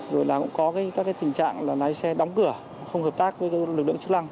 rồi là cũng có các tình trạng là lái xe đóng cửa không hợp tác với lực lượng chức năng